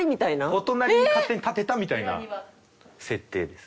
お隣に勝手に建てたみたいな設定です。